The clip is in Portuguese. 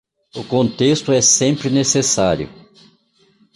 O contexto é sempre necessário.